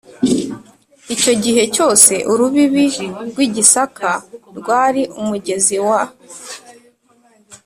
icyo gihe cyose, urubibi rw'i gisaka rwari umugezi wa